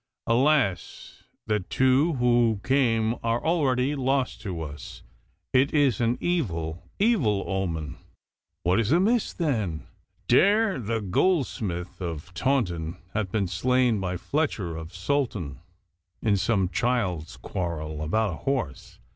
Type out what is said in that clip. Alas! that two who came are already lost to us. It is an evil, evil omen.' 'What is amiss, then?' 'Dare, the goldsmith of Taunton, hath been slain by Fletcher of Saltoun in some child's quarrel about a horse.